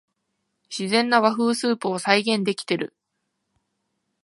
自然な和風スープを再現できてる